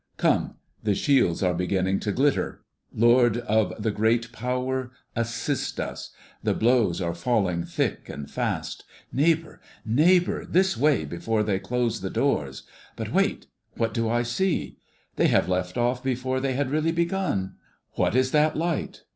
"Come! the shields are beginning to glitter. Lord of the great power, assist us! The blows are falling thick and fast. Neighbor, neighbor, this way before they close the doors! But wait, what do I see? They have left off before they had really begun. What is that light?